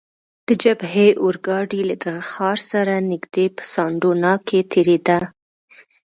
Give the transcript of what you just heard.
د جبهې اورګاډی له دغه ښار سره نږدې په سان ډونا کې تیریده.